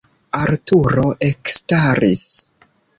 Arturo ekstaris.